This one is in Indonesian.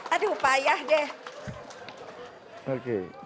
aduh payah deh